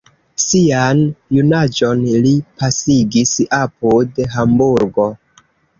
Sian junaĝon li pasigis apud Hamburgo.